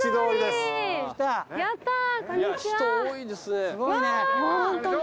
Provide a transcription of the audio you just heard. すごいね。